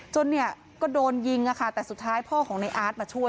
เนี่ยก็โดนยิงแต่สุดท้ายพ่อของในอาร์ตมาช่วย